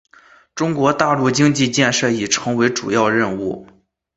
中国大陆经济建设已成为主要任务。